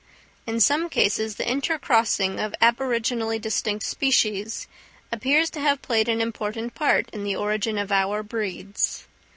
In some cases the intercrossing of aboriginally distinct species appears to have played an important part in the origin of our breeds.